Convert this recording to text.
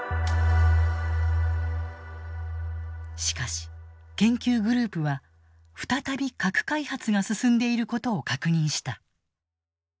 しかし研究グループは再び核開発が進んでいることを確認した。